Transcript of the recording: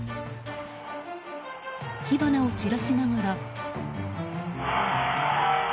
火花を散らしながら。